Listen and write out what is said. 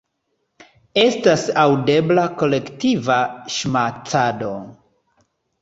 Estas aŭdebla kolektiva ŝmacado.